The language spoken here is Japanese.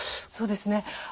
そうですね